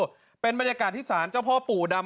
มันเป็นบรรยากาศที่สาหรันต์เจ้าพ่อปู่ดำ